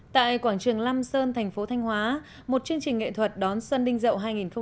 tại quảng trường lam sơn thành phố thanh hóa một chương trình nghệ thuật đón xuân đinh dậu hai nghìn một mươi chín